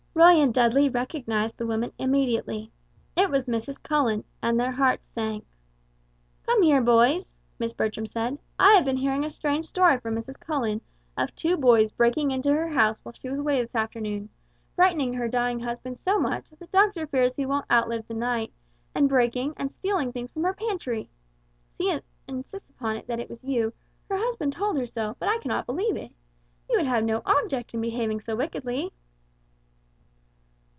Roy and Dudley recognized the woman immediately. It was Mrs. Cullen, and their hearts sank. "Come here, boys," Miss Bertram said; "I have been hearing a strange story from Mrs. Cullen, of two boys breaking into her house while she was away this afternoon, frightening her dying husband so much that the doctor fears he won't outlive the night, and breaking, and stealing things from her pantry. She insists upon it that it was you; her husband told her so, but I cannot believe it. You would have no object in behaving so wickedly."